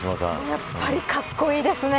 やっぱり、かっこいいですね。